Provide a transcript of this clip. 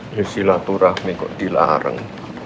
hai isi laturah menggok dilarang